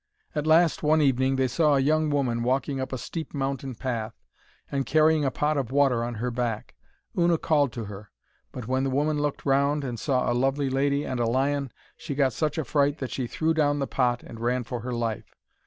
At last, one evening, they saw a young woman walking up a steep mountain path, and carrying a pot of water on her back. Una called to her, but when the woman looked round and saw a lovely lady and a lion, she got such a fright that she threw down the pot and ran for her life.